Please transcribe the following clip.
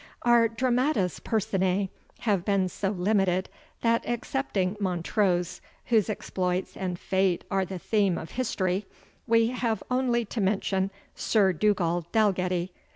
Our DRAMATIS PERSONAE have been so limited, that, excepting Montrose, whose exploits and fate are the theme of history, we have only to mention Sir Dugald Dalgetty.